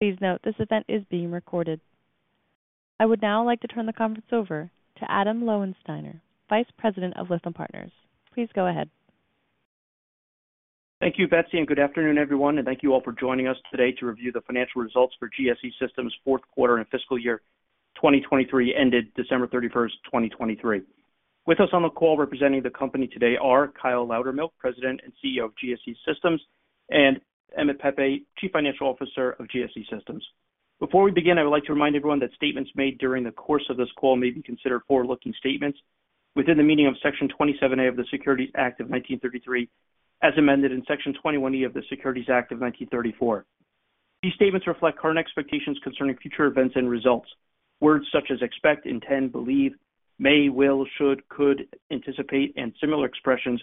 Please note this event is being recorded. I would now like to turn the conference over to Adam Lowensteiner, Vice President of Lytham Partners. Please go ahead. Thank you, Betsy, and good afternoon, everyone. Thank you all for joining us today to review the financial results for GSE Systems' Q4 and fiscal year 2023, ended December 31st, 2023. With us on the call representing the company today are Kyle Loudermilk, President and CEO of GSE Systems, and Emmett Pepe, Chief Financial Officer of GSE Systems. Before we begin, I would like to remind everyone that statements made during the course of this call may be considered forward-looking statements within the meaning of Section 27A of the Securities Act of 1933 as amended in Section 21E of the Securities Act of 1934. These statements reflect current expectations concerning future events and results. Words such as expect, intend, believe, may, will, should, could, anticipate, and similar expressions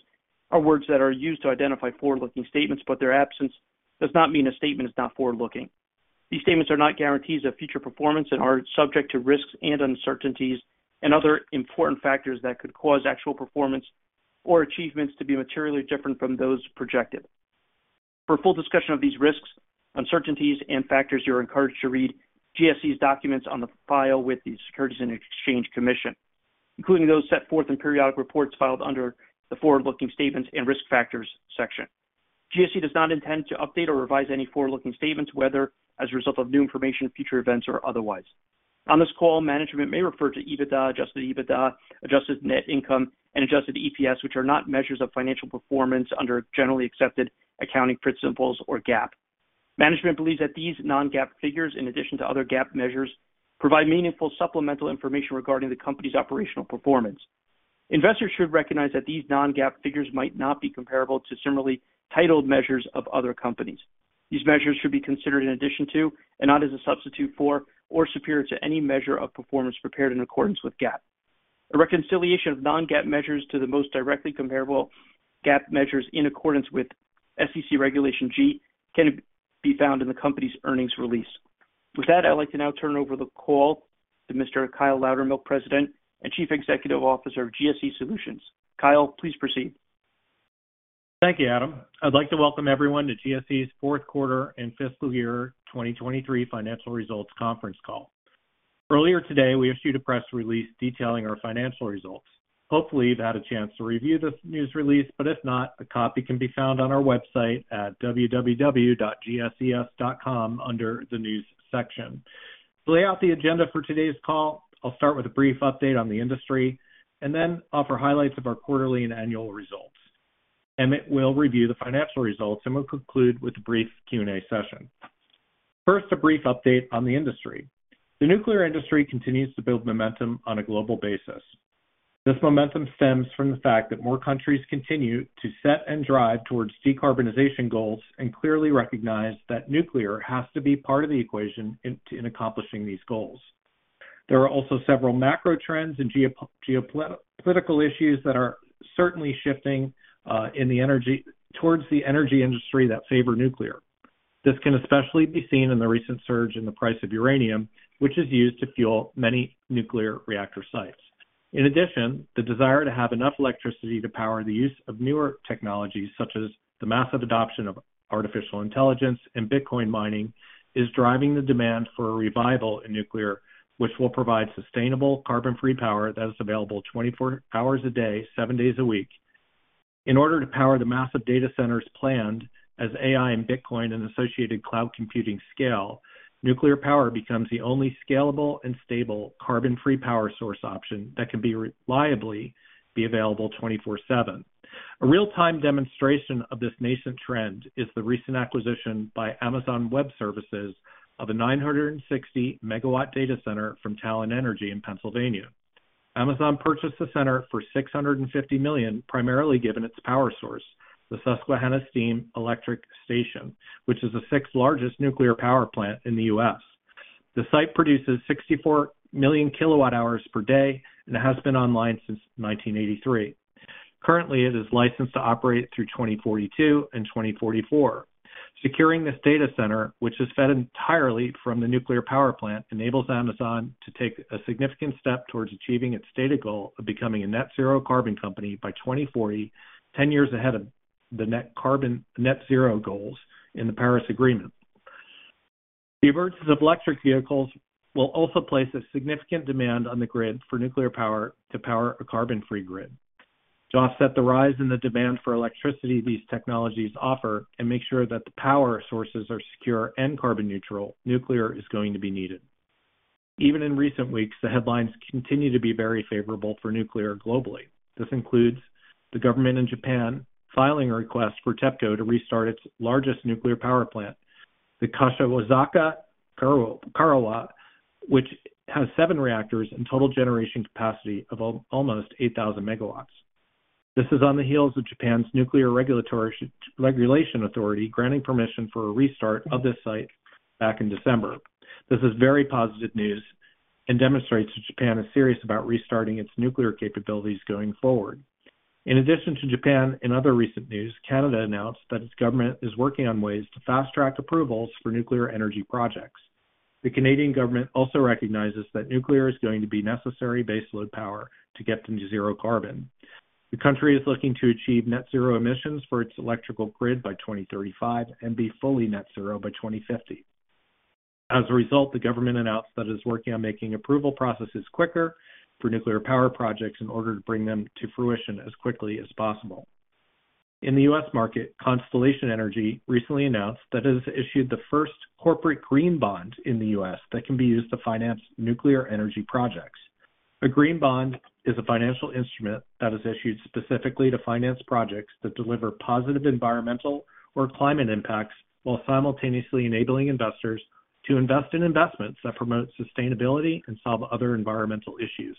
are words that are used to identify forward-looking statements, but their absence does not mean a statement is not forward-looking. These statements are not guarantees of future performance and are subject to risks and uncertainties and other important factors that could cause actual performance or achievements to be materially different from those projected. For a full discussion of these risks, uncertainties, and factors, you are encouraged to read GSE's documents on file with the Securities and Exchange Commission, including those set forth in periodic reports filed under the Forward-Looking Statements and Risk Factors section. GSE does not intend to update or revise any forward-looking statements, whether as a result of new information, future events, or otherwise. On this call, management may refer to EBITDA, adjusted EBITDA, adjusted net income, and adjusted EPS, which are not measures of financial performance under generally accepted accounting principles or GAAP. Management believes that these non-GAAP figures, in addition to other GAAP measures, provide meaningful supplemental information regarding the company's operational performance. Investors should recognize that these non-GAAP figures might not be comparable to similarly titled measures of other companies. These measures should be considered in addition to and not as a substitute for or superior to any measure of performance prepared in accordance with GAAP. A reconciliation of non-GAAP measures to the most directly comparable GAAP measures in accordance with SEC Regulation G can be found in the company's earnings release. With that, I'd like to now turn over the call to Mr. Kyle Loudermilk, President and Chief Executive Officer of GSE Solutions. Kyle, please proceed. Thank you, Adam. I'd like to welcome everyone to GSE's Q4 and fiscal year 2023 financial results conference call. Earlier today, we issued a press release detailing our financial results. Hopefully, you've had a chance to review this news release, but if not, a copy can be found on our website at www.gses.com under the news section. To lay out the agenda for today's call, I'll start with a brief update on the industry and then offer highlights of our quarterly and annual results. Emmett will review the financial results, and we'll conclude with a brief Q&A session. First, a brief update on the industry. The nuclear industry continues to build momentum on a global basis. This momentum stems from the fact that more countries continue to set and drive towards decarbonization goals and clearly recognize that nuclear has to be part of the equation in accomplishing these goals. There are also several macro trends and geopolitical issues that are certainly shifting towards the energy industry that favor nuclear. This can especially be seen in the recent surge in the price of uranium, which is used to fuel many nuclear reactor sites. In addition, the desire to have enough electricity to power the use of newer technologies, such as the massive adoption of artificial intelligence and Bitcoin mining, is driving the demand for a revival in nuclear, which will provide sustainable, carbon-free power that is available 24 hours a day, 7 days a week. In order to power the massive data centers planned as AI and Bitcoin and associated cloud computing scale, nuclear power becomes the only scalable and stable carbon-free power source option that can reliably be available 24/7. A real-time demonstration of this nascent trend is the recent acquisition by Amazon Web Services of a 960-megawatt data center from Talen Energy in Pennsylvania. Amazon purchased the center for $650 million, primarily given its power source, the Susquehanna Steam Electric Station, which is the sixth-largest nuclear power plant in the U.S. The site produces 64 million kWh per day and has been online since 1983. Currently, it is licensed to operate through 2042 and 2044. Securing this data center, which is fed entirely from the nuclear power plant, enables Amazon to take a significant step towards achieving its data goal of becoming a net-zero carbon company by 2040, 10 years ahead of the net-zero goals in the Paris Agreement. The emergence of electric vehicles will also place a significant demand on the grid for nuclear power to power a carbon-free grid. To offset the rise in the demand for electricity these technologies offer and make sure that the power sources are secure and carbon neutral, nuclear is going to be needed. Even in recent weeks, the headlines continue to be very favorable for nuclear globally. This includes the government in Japan filing a request for TEPCO to restart its largest nuclear power plant, the Kashiwazaki-Kariwa, which has 7 reactors and total generation capacity of almost 8,000 megawatts. This is on the heels of Japan's Nuclear Regulation Authority granting permission for a restart of this site back in December. This is very positive news and demonstrates that Japan is serious about restarting its nuclear capabilities going forward. In addition to Japan, in other recent news, Canada announced that its government is working on ways to fast-track approvals for nuclear energy projects. The Canadian government also recognizes that nuclear is going to be necessary base load power to get to zero carbon. The country is looking to achieve net-zero emissions for its electrical grid by 2035 and be fully net-zero by 2050. As a result, the government announced that it is working on making approval processes quicker for nuclear power projects in order to bring them to fruition as quickly as possible. In the U.S. market, Constellation Energy recently announced that it has issued the first corporate green bond in the U.S. that can be used to finance nuclear energy projects. A green bond is a financial instrument that is issued specifically to finance projects that deliver positive environmental or climate impacts while simultaneously enabling investors to invest in investments that promote sustainability and solve other environmental issues.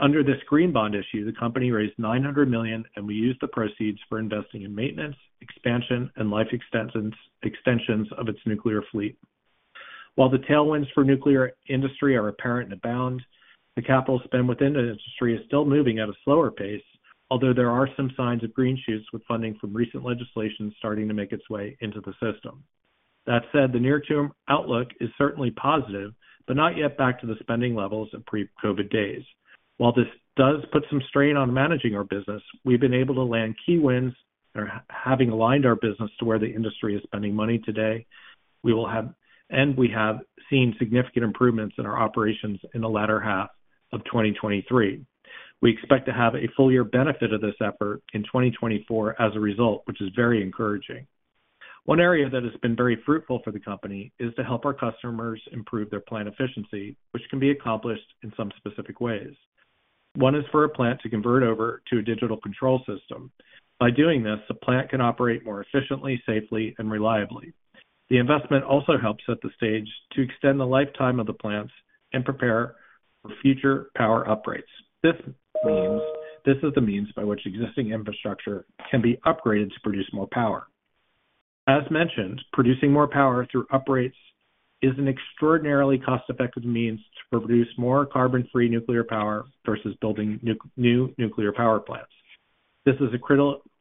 Under this green bond issue, the company raised $900 million, and we used the proceeds for investing in maintenance, expansion, and life extensions of its nuclear fleet. While the tailwinds for nuclear industry are apparent and abound, the capital spend within the industry is still moving at a slower pace, although there are some signs of green shoots with funding from recent legislation starting to make its way into the system. That said, the near-term outlook is certainly positive, but not yet back to the spending levels of pre-COVID days. While this does put some strain on managing our business, we've been able to land key wins and are having aligned our business to where the industry is spending money today, and we have seen significant improvements in our operations in the latter half of 2023. We expect to have a full-year benefit of this effort in 2024 as a result, which is very encouraging. One area that has been very fruitful for the company is to help our customers improve their plant efficiency, which can be accomplished in some specific ways. One is for a plant to convert over to a digital control system. By doing this, the plant can operate more efficiently, safely, and reliably. The investment also helps at the stage to extend the lifetime of the plants and prepare for future power upgrades. This is the means by which existing infrastructure can be upgraded to produce more power. As mentioned, producing more power through upgrades is an extraordinarily cost-effective means to produce more carbon-free nuclear power versus building new nuclear power plants. This is a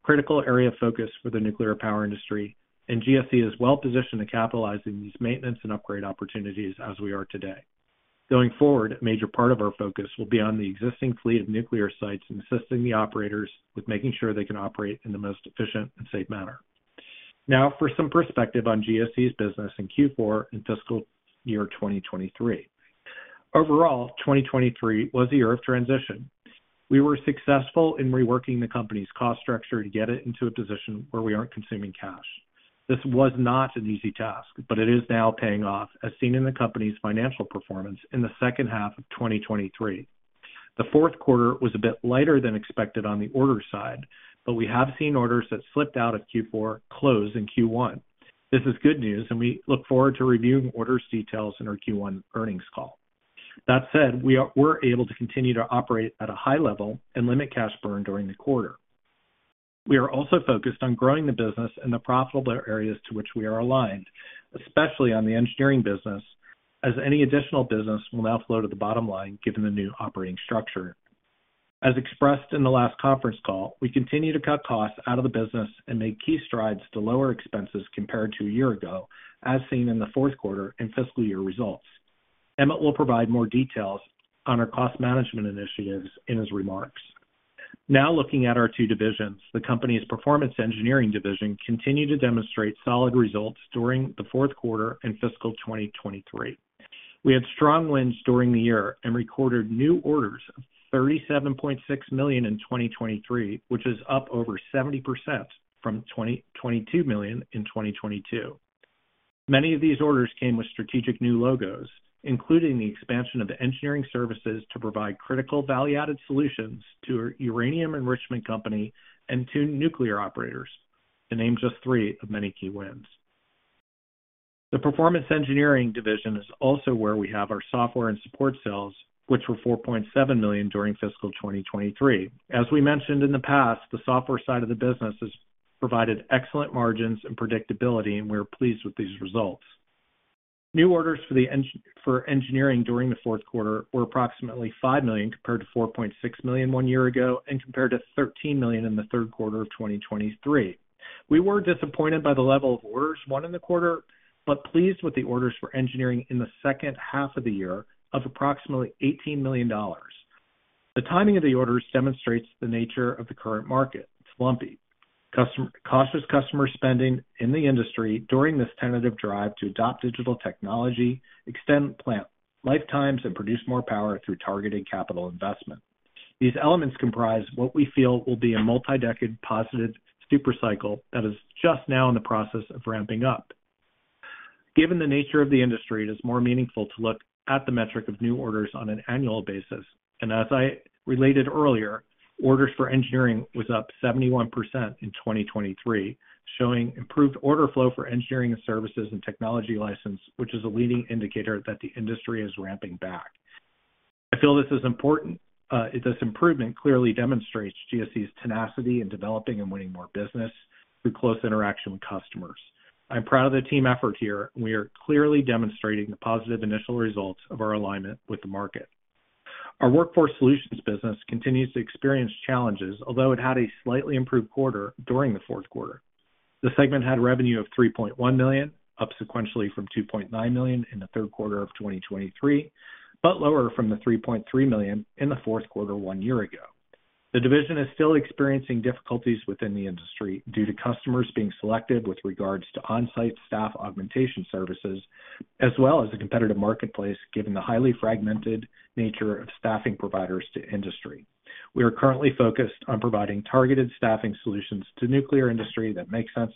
critical area of focus for the nuclear power industry, and GSE is well-positioned to capitalize on these maintenance and upgrade opportunities as we are today. Going forward, a major part of our focus will be on the existing fleet of nuclear sites and assisting the operators with making sure they can operate in the most efficient and safe manner. Now, for some perspective on GSE's business in Q4 and fiscal year 2023. Overall, 2023 was a year of transition. We were successful in reworking the company's cost structure to get it into a position where we aren't consuming cash. This was not an easy task, but it is now paying off, as seen in the company's financial performance in the second half of 2023. The Q4 was a bit lighter than expected on the order side, but we have seen orders that slipped out of Q4 close in Q1. This is good news, and we look forward to reviewing orders details in our Q1 earnings call. That said, we were able to continue to operate at a high level and limit cash burn during the quarter. We are also focused on growing the business and the profitable areas to which we are aligned, especially on the engineering business, as any additional business will now flow to the bottom line given the new operating structure. As expressed in the last conference call, we continue to cut costs out of the business and make key strides to lower expenses compared to a year ago, as seen in the Q4 and fiscal year results. Emmett will provide more details on our cost management initiatives in his remarks. Now, looking at our two divisions, the company's performance engineering division continued to demonstrate solid results during the fourth quarter and fiscal 2023. We had strong wins during the year and recorded new orders of $37.6 million in 2023, which is up over 70% from $22 million in 2022. Many of these orders came with strategic new logos, including the expansion of the engineering services to provide critical value-added solutions to our uranium enrichment company and to nuclear operators, to name just three of many key wins. The performance engineering division is also where we have our software and support sales, which were $4.7 million during fiscal 2023. As we mentioned in the past, the software side of the business has provided excellent margins and predictability, and we are pleased with these results. New orders for engineering during the Q4 were approximately $5 million compared to $4.6 million one year ago and compared to $13 million in the Q3 of 2023. We were disappointed by the level of orders won in the quarter, but pleased with the orders for engineering in the second half of the year of approximately $18 million. The timing of the orders demonstrates the nature of the current market. It's lumpy. Cautious customer spending in the industry during this tentative drive to adopt digital technology, extend plant lifetimes, and produce more power through targeted capital investment. These elements comprise what we feel will be a multi-decade positive Supercycle that is just now in the process of ramping up. Given the nature of the industry, it is more meaningful to look at the metric of new orders on an annual basis. As I related earlier, orders for engineering were up 71% in 2023, showing improved order flow for engineering and services and technology license, which is a leading indicator that the industry is ramping back. I feel this is important. This improvement clearly demonstrates GSE's tenacity in developing and winning more business through close interaction with customers. I'm proud of the team effort here, and we are clearly demonstrating the positive initial results of our alignment with the market. Our workforce solutions business continues to experience challenges, although it had a slightly improved quarter during the Q4. The segment had revenue of $3.1 million, up sequentially from $2.9 million in the Q3 of 2023, but lower from the $3.3 million in the Q4 one year ago. The division is still experiencing difficulties within the industry due to customers being selective with regards to on-site staff augmentation services, as well as a competitive marketplace given the highly fragmented nature of staffing providers to industry. We are currently focused on providing targeted staffing solutions to the nuclear industry that make sense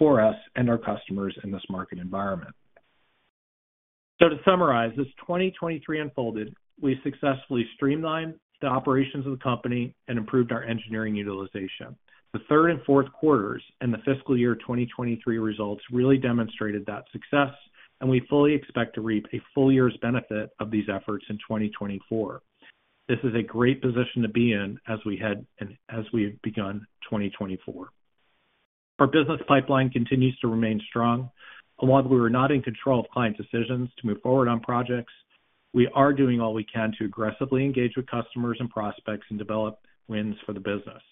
for us and our customers in this market environment. So to summarize, as 2023 unfolded, we successfully streamlined the operations of the company and improved our engineering utilization. The third and fourth quarters and the fiscal year 2023 results really demonstrated that success, and we fully expect to reap a full year's benefit of these efforts in 2024. This is a great position to be in as we have begun 2024. Our business pipeline continues to remain strong. Although we were not in control of client decisions to move forward on projects, we are doing all we can to aggressively engage with customers and prospects and develop wins for the business.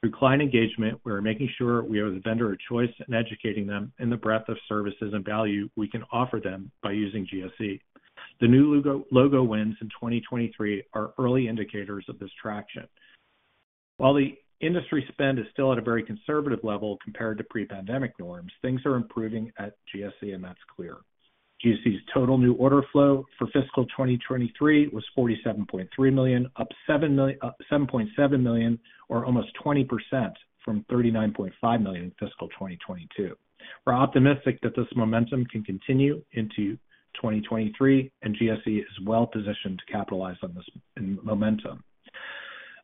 Through client engagement, we are making sure we are the vendor of choice and educating them in the breadth of services and value we can offer them by using GSE. The new logo wins in 2023 are early indicators of this traction. While the industry spend is still at a very conservative level compared to pre-pandemic norms, things are improving at GSE, and that's clear. GSE's total new order flow for fiscal 2023 was $47.3 million, up $7.7 million, or almost 20% from $39.5 million in fiscal 2022. We're optimistic that this momentum can continue into 2023, and GSE is well-positioned to capitalize on this momentum.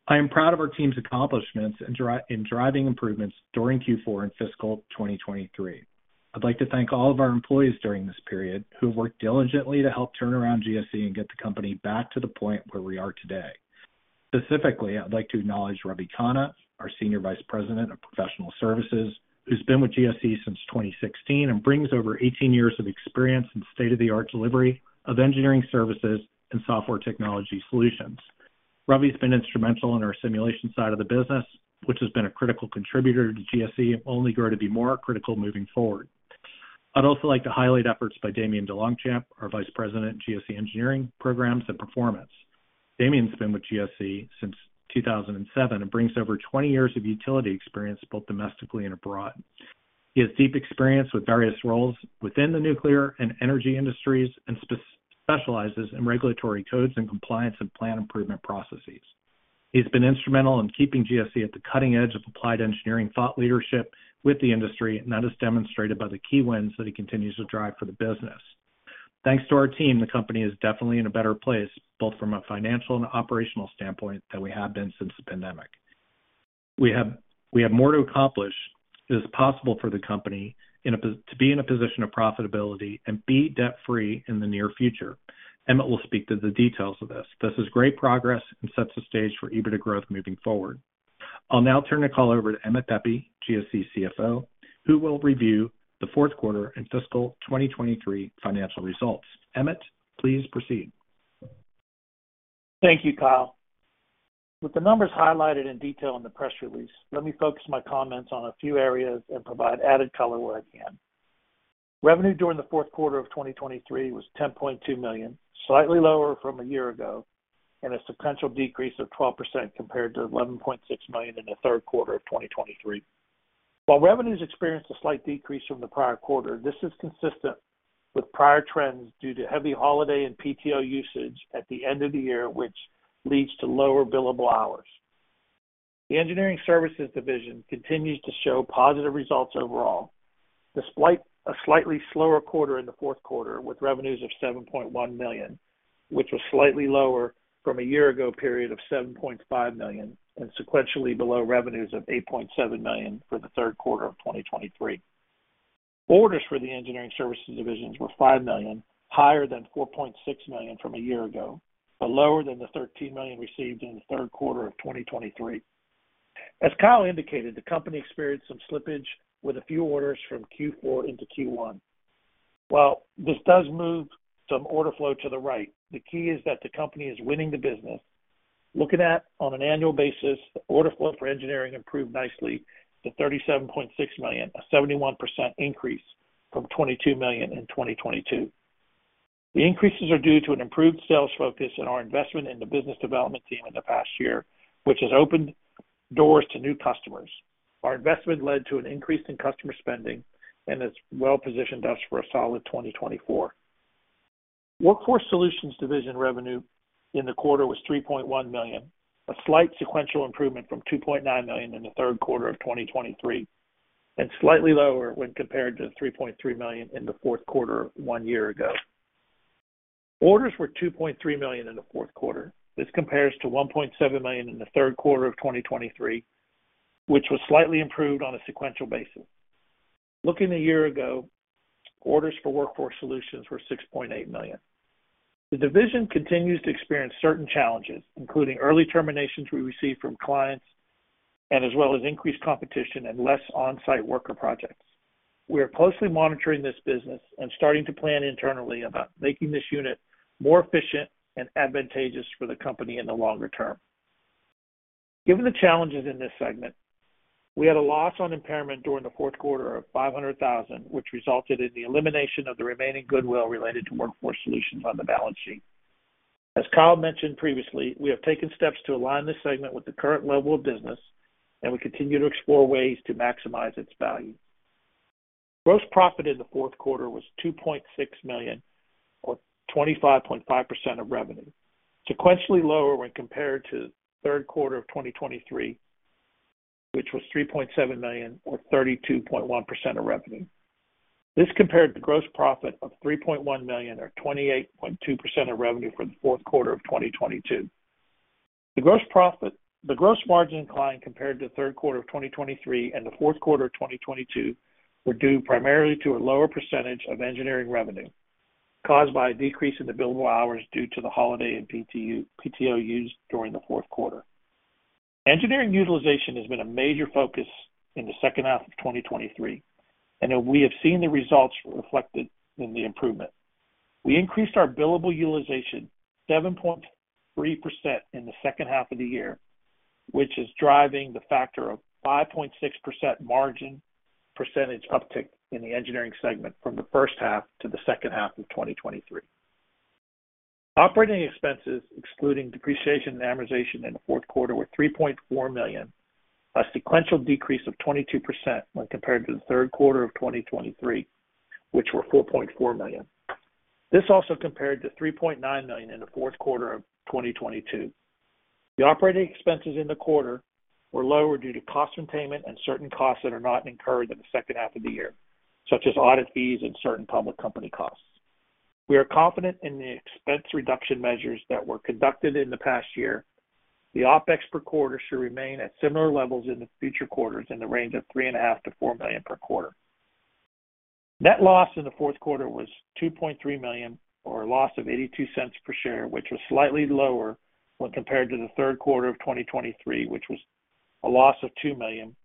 I am proud of our team's accomplishments in driving improvements during Q4 and fiscal 2023. I'd like to thank all of our employees during this period who have worked diligently to help turn around GSE and get the company back to the point where we are today. Specifically, I'd like to acknowledge Ravi Khanna, our Senior Vice President of Professional Services, who's been with GSE since 2016 and brings over 18 years of experience in state-of-the-art delivery of engineering services and software technology solutions. Ravi's been instrumental in our simulation side of the business, which has been a critical contributor to GSE and will only grow to be more critical moving forward. I'd also like to highlight efforts by Damian DeLongchamp, our Vice President of GSE Engineering Programs and Performance. Damian's been with GSE since 2007 and brings over 20 years of utility experience both domestically and abroad. He has deep experience with various roles within the nuclear and energy industries and specializes in regulatory codes and compliance and plan improvement processes. He's been instrumental in keeping GSE at the cutting edge of applied engineering thought leadership with the industry, and that is demonstrated by the key wins that he continues to drive for the business. Thanks to our team, the company is definitely in a better place, both from a financial and operational standpoint, than we have been since the pandemic. We have more to accomplish that is possible for the company to be in a position of profitability and be debt-free in the near future. Emmett will speak to the details of this. This is great progress and sets the stage for EBITDA growth moving forward. I'll now turn the call over to Emmett Pepe, GSE CFO, who will review the Q4 and fiscal 2023 financial results. Emmett, please proceed. Thank you, Kyle. With the numbers highlighted in detail in the press release, let me focus my comments on a few areas and provide added color where I can. Revenue during the fourth quarter of 2023 was $10.2 million, slightly lower from a year ago, and a sequential decrease of 12% compared to $11.6 million in the Q3 of 2023. While revenues experienced a slight decrease from the prior quarter, this is consistent with prior trends due to heavy holiday and PTO usage at the end of the year, which leads to lower billable hours. The engineering services division continues to show positive results overall, despite a slightly slower quarter in the Q4 with revenues of $7.1 million, which was slightly lower from a year ago period of $7.5 million and sequentially below revenues of $8.7 million for the Q3 of 2023. Orders for the engineering services divisions were $5 million, higher than $4.6 million from a year ago, but lower than the $13 million received in the Q3 of 2023. As Kyle indicated, the company experienced some slippage with a few orders from Q4 into Q1. While this does move some order flow to the right, the key is that the company is winning the business. Looking at on an annual basis, the order flow for engineering improved nicely to $37.6 million, a 71% increase from $22 million in 2022. The increases are due to an improved sales focus and our investment in the business development team in the past year, which has opened doors to new customers. Our investment led to an increase in customer spending and has well-positioned us for a solid 2024. Workforce solutions division revenue in the quarter was $3.1 million, a slight sequential improvement from $2.9 million in the Q3 of 2023, and slightly lower when compared to $3.3 million in the Q4 one year ago. Orders were $2.3 million in the Q4. This compares to $1.7 million in the Q3 of 2023, which was slightly improved on a sequential basis. Looking a year ago, orders for workforce solutions were $6.8 million. The division continues to experience certain challenges, including early terminations we received from clients and as well as increased competition and less on-site worker projects. We are closely monitoring this business and starting to plan internally about making this unit more efficient and advantageous for the company in the longer term. Given the challenges in this segment, we had a loss on impairment during the Q4 of $500,000, which resulted in the elimination of the remaining goodwill related to workforce solutions on the balance sheet. As Kyle mentioned previously, we have taken steps to align this segment with the current level of business, and we continue to explore ways to maximize its value. Gross profit in the fourth Q4 was $2.6 million or 25.5% of revenue, sequentially lower when compared to Q3 of 2023, which was $3.7 million or 32.1% of revenue. This compared to gross profit of $3.1 million or 28.2% of revenue for the Q4 of 2022. The gross margin decline compared to Q3 of 2023 and the Q4 of 2022 were due primarily to a lower percentage of engineering revenue caused by a decrease in the billable hours due to the holiday and PTO used during the Q4. Engineering utilization has been a major focus in the second half of 2023, and we have seen the results reflected in the improvement. We increased our billable utilization 7.3% in the second half of the year, which is driving the factor of 5.6% margin percentage uptick in the engineering segment from the first half to the second half of 2023. Operating expenses, excluding depreciation and amortization in the Q4, were $3.4 million, a sequential decrease of 22% when compared to the Q3 of 2023, which were $4.4 million. This also compared to $3.9 million in the Q4 of 2022. The operating expenses in the quarter were lower due to cost containment and certain costs that are not incurred in the second half of the year, such as audit fees and certain public company costs. We are confident in the expense reduction measures that were conducted in the past year. The OpEx per quarter should remain at similar levels in the future quarters in the range of $3.5 million-$4 million per quarter. Net loss in the Q4 was $2.3 million or a loss of $0.82 per share, which was slightly lower when compared to the Q3 of 2023, which was a loss of $2 million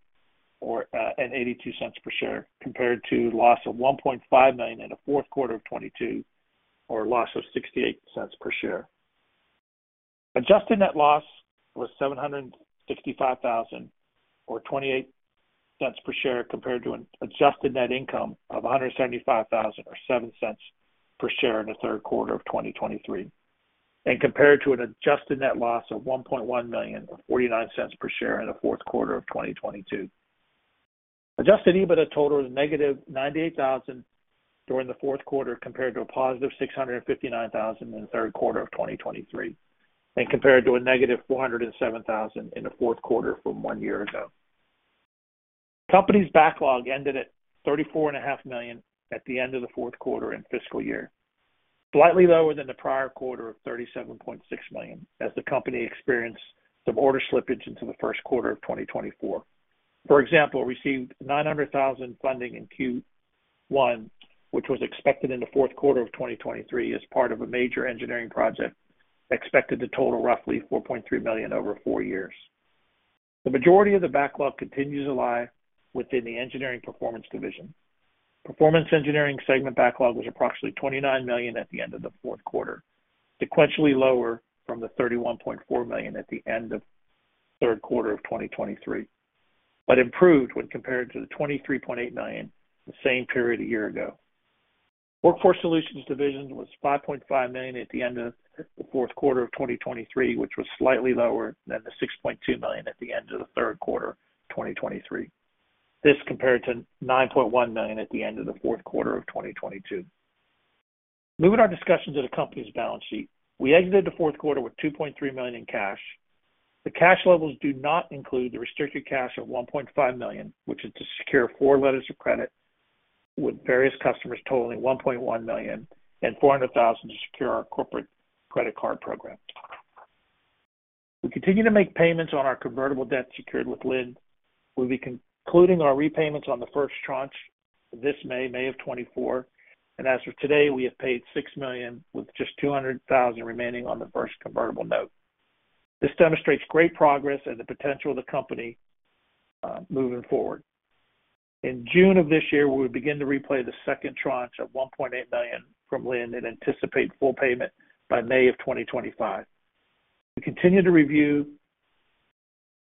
and $0.82 per share compared to loss of $1.5 million in the Q4 of 2022 or loss of $0.68 per share. Adjusted net loss was $765,000 or -$0.28 per share compared to an adjusted net income of $175,000 or $0.07 per share in the Q3 of 2023 and compared to an adjusted net loss of $1.1 million or -$0.49 per share in the Q4 of 2022. Adjusted EBITDA total was -$98,000 during the Q4 compared to +$659,000 in the Q3 of 2023 and compared to -$407,000 in the Q4 from one year ago. Company's backlog ended at $34.5 million at the end of the Q4 and fiscal year, slightly lower than the prior quarter of $37.6 million as the company experienced some order slippage into the Q1 of 2024. For example, received $900,000 funding in Q1, which was expected in the Q4 of 2023 as part of a major engineering project expected to total roughly $4.3 million over 4 years. The majority of the backlog continues alive within the engineering performance division. Performance engineering segment backlog was approximately $29 million at the end of the Q4, sequentially lower from the $31.4 million at the end of Q3 of 2023, but improved when compared to the $23.8 million the same period a year ago. Workforce solutions division was $5.5 million at the end of the Q4 of 2023, which was slightly lower than the $6.2 million at the end of the Q3 of 2023, this compared to $9.1 million at the end of the Q4 of 2022. Moving our discussion to the company's balance sheet, we exited the Q4 with $2.3 million in cash. The cash levels do not include the restricted cash of $1.5 million, which is to secure four letters of credit with various customers totaling $1.1 million and $400,000 to secure our corporate credit card program. We continue to make payments on our convertible debt secured with LIND. We'll be concluding our repayments on the first tranche this May, May of 2024, and as of today, we have paid $6 million with just $200,000 remaining on the first convertible note. This demonstrates great progress and the potential of the company moving forward. In June of this year, we would begin to replay the second tranche of $1.8 million from LIND and anticipate full payment by May of 2025. We continue to review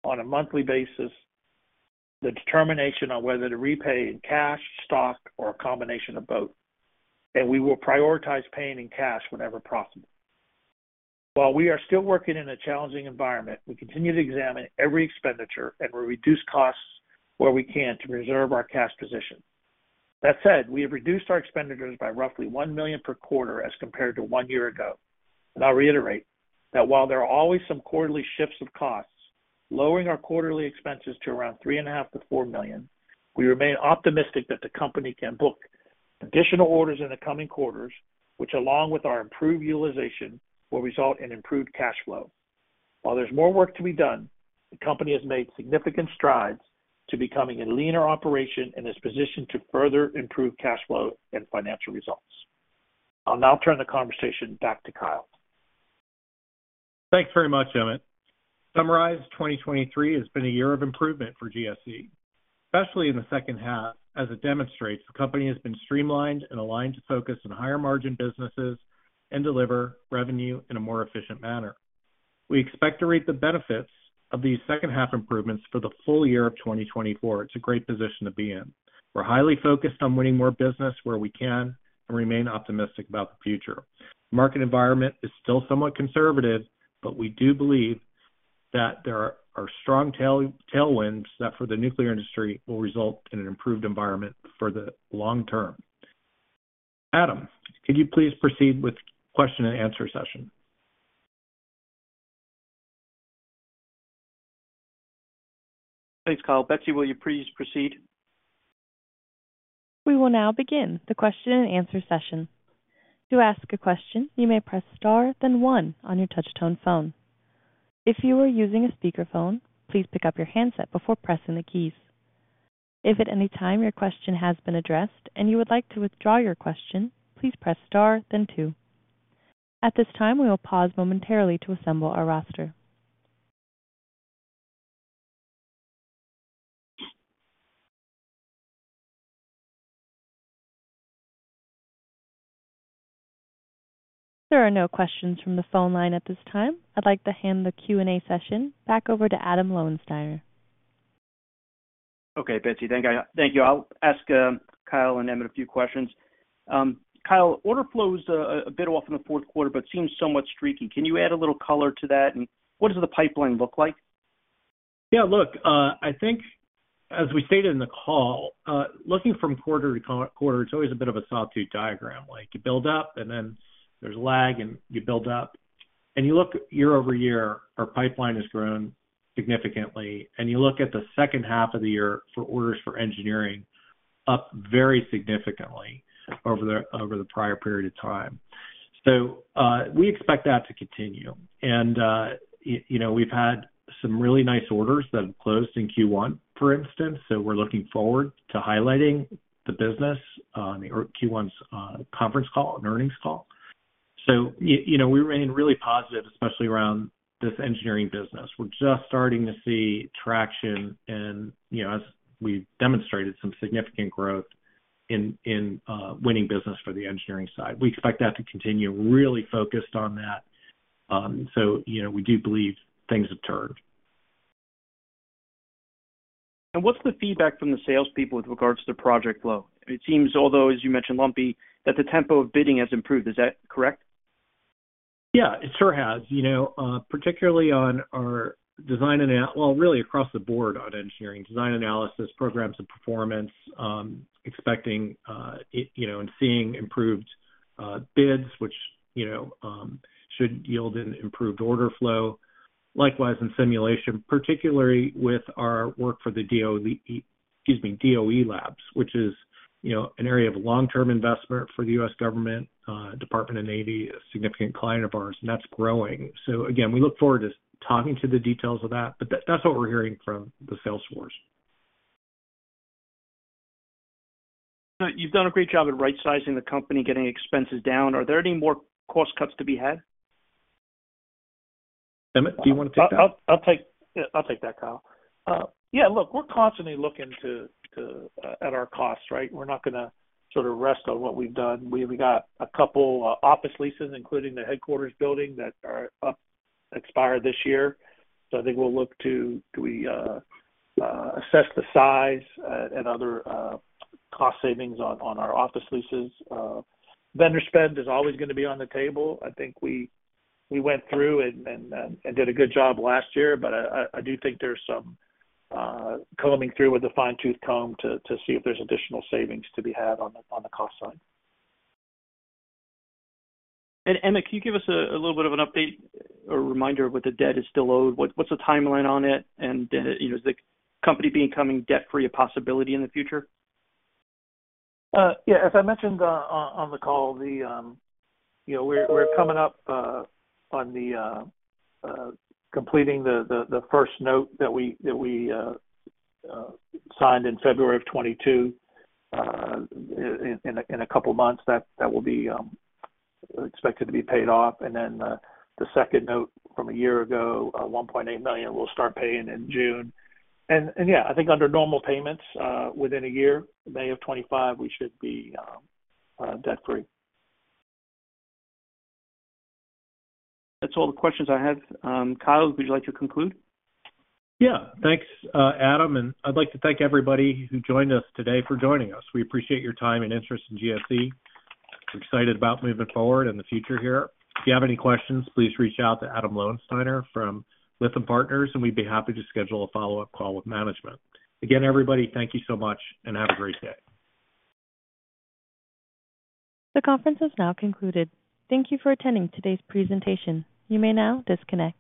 on a monthly basis the determination on whether to repay in cash, stock, or a combination of both, and we will prioritize paying in cash whenever possible. While we are still working in a challenging environment, we continue to examine every expenditure and will reduce costs where we can to preserve our cash position. That said, we have reduced our expenditures by roughly $1 million per quarter as compared to one year ago. I'll reiterate that while there are always some quarterly shifts of costs, lowering our quarterly expenses to around $3.5 million-$4 million, we remain optimistic that the company can book additional orders in the coming quarters, which along with our improved utilization will result in improved cash flow. While there's more work to be done, the company has made significant strides to becoming a leaner operation and is positioned to further improve cash flow and financial results. I'll now turn the conversation back to Kyle. Thanks very much, Emmett. Summarized, 2023 has been a year of improvement for GSE, especially in the second half, as it demonstrates the company has been streamlined and aligned to focus on higher margin businesses and deliver revenue in a more efficient manner. We expect to reap the benefits of these second-half improvements for the full year of 2024. It's a great position to be in. We're highly focused on winning more business where we can and remain optimistic about the future. The market environment is still somewhat conservative, but we do believe that there are strong tailwinds that for the nuclear industry will result in an improved environment for the long term. Adam, could you please proceed with question and answer session? Thanks, Kyle. Betsy, will you please proceed? We will now begin the question and answer session. To ask a question, you may press star, then one on your touch-tone phone. If you are using a speakerphone, please pick up your handset before pressing the keys. If at any time your question has been addressed and you would like to withdraw your question, please press star, then two. At this time, we will pause momentarily to assemble our roster. There are no questions from the phone line at this time. I'd like to hand the Q&A session back over to Adam Lowensteiner. Okay, Betsy. Thank you. I'll ask Kyle and Emmett a few questions. Kyle, order flow is a bit off in the Q4, but seems somewhat streaky. Can you add a little color to that? And what does the pipeline look like? Yeah. Look, I think as we stated in the call, looking from quarter to quarter, it's always a bit of a sawtooth diagram. You build up, and then there's lag, and you build up. You look year-over-year, our pipeline has grown significantly, and you look at the second half of the year for orders for engineering up very significantly over the prior period of time. So we expect that to continue. We've had some really nice orders that have closed in Q1, for instance. So we're looking forward to highlighting the business on Q1's conference call and earnings call. So we remain really positive, especially around this engineering business. We're just starting to see traction, and as we've demonstrated, some significant growth in winning business for the engineering side. We expect that to continue, really focused on that. So we do believe things have turned. What's the feedback from the salespeople with regards to the project flow? It seems, although, as you mentioned, lumpy, that the tempo of bidding has improved. Is that correct? Yeah, it sure has, particularly on our design and, well, really across the board on engineering, design analysis, programs of performance, expecting and seeing improved bids, which should yield an improved order flow. Likewise in simulation, particularly with our work for the DOE—excuse me, DOE Labs—which is an area of long-term investment for the U.S. government, Department of Navy, a significant client of ours, and that's growing. So again, we look forward to talking to the details of that, but that's what we're hearing from the salesforce. You've done a great job at right-sizing the company, getting expenses down. Are there any more cost cuts to be had? Emmett, do you want to take that? I'll take that, Kyle. Yeah. Look, we're constantly looking at our costs, right? We're not going to sort of rest on what we've done. We've got a couple of office leases, including the headquarters building, that are up, expire this year. So I think we'll look to do we assess the size and other cost savings on our office leases. Vendor spend is always going to be on the table. I think we went through and did a good job last year, but I do think there's some combing through with a fine-tooth comb to see if there's additional savings to be had on the cost side. Emmett, can you give us a little bit of an update or reminder of what the debt is still owed? What's the timeline on it? And is the company becoming debt-free a possibility in the future? Yeah. As I mentioned on the call, we're coming up on completing the first note that we signed in February of 2022 in a couple of months. That will be expected to be paid off. And then the second note from a year ago, $1.8 million, we'll start paying in June. And yeah, I think under normal payments within a year, May of 2025, we should be debt-free. That's all the questions I have. Kyle, would you like to conclude? Yeah. Thanks, Adam. And I'd like to thank everybody who joined us today for joining us. We appreciate your time and interest in GSE. We're excited about moving forward and the future here. If you have any questions, please reach out to Adam Lowensteiner from Lytham Partners, and we'd be happy to schedule a follow-up call with management. Again, everybody, thank you so much, and have a great day. The conference has now concluded. Thank you for attending today's presentation. You may now disconnect.